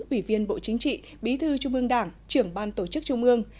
ủy viên bộ chính trị bí thư trung ương đảng trưởng ban tổ chức trung ương